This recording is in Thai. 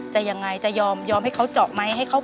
เปลี่ยนเพลงเพลงเก่งของคุณและข้ามผิดได้๑คำ